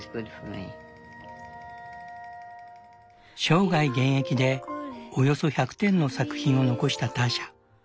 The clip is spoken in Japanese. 生涯現役でおよそ１００点の作品を残したターシャ。